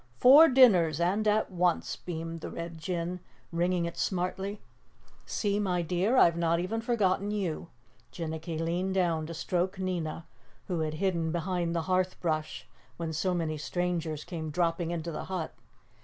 Four dinners and at once," beamed the Red Jinn, ringing it smartly. "See, my dear, I've not even forgotten you." Jinnicky leaned down to stroke Nina, who had hidden behind the hearth brush when so many strangers came dropping into the hut.